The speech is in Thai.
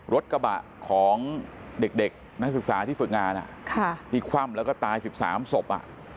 รถกระบะของเด็กนักศึกษาที่ฝึกงานที่คว่ำแล้วก็ตาย๑๓ศพ